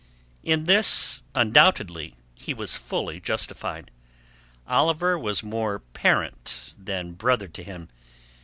In this undoubtedly he was fully justified. Oliver was more parent than brother to him.